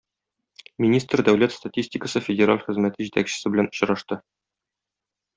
Министр Дәүләт статистикасы федераль хезмәте җитәкчесе белән очрашты